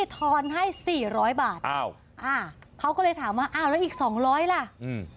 ทอนให้สี่ร้อยบาทอ้าวอ่าเขาก็เลยถามว่าอ้าวแล้วอีกสองร้อยล่ะอืม